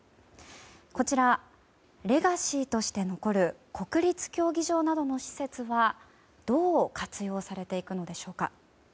こちら、レガシーとして残る国立競技場などの施設はどう活用されていくのでしょうか。